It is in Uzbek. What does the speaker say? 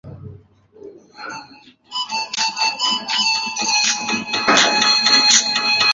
Davlat test markazi kirish imtihonlarini o‘tkazishdagi yangiliklar haqida ma’lumot berdi